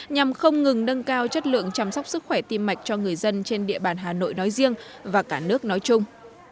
nhằm không ngừng nâng cao chất lượng chăm sóc sức khỏe tim mạch cho người dân trên địa bàn hà nội nói riêng và cả nước nói chung